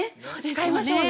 使いましょうね。